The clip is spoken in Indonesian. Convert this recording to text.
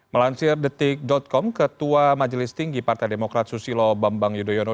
melansir detik com ketua majelis tinggi partai demokrat susilo bambang yudhoyono